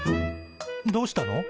どうしたの？